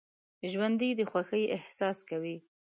ژوندي د خوښۍ احساس کوي